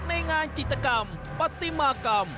ในงานจิตกรรมปฏิมากรรม